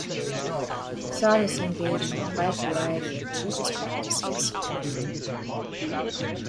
Sadhus engage in a wide variety of religious practices.